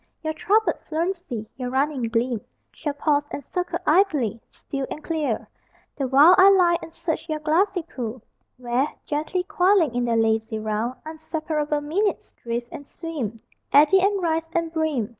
Your troubled fluency, your running gleam Shall pause, and circle idly, still and clear: The while I lie and search your glassy pool Where, gently coiling in their lazy round, Unseparable minutes drift and swim, Eddy and rise and brim.